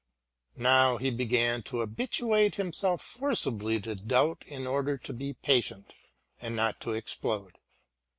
Now he began to habituate himself forcibly to doubt in order to be patient and not to explode.